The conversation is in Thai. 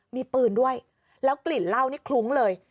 มีปืนด้วยแล้วกลิ่นเหล้านี่คลุ้งเลย